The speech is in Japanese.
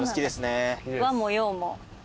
和も洋も？